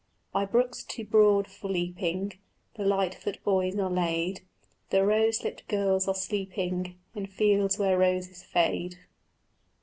By brooks too broad for leaping The lightfoot boys are laid; The rose lipt girls are sleeping In fields where roses fade.